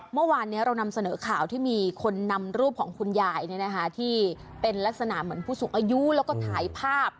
เมื่อวานนี้เรานำเสนอข่าวที่มีคนนำรูปของคุณยายที่เป็นลักษณะเหมือนผู้สูงอายุแล้วก็ถ่ายภาพ